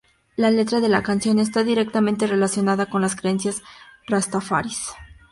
La letra de la canción está directamente relacionada con las creencias rastafaris.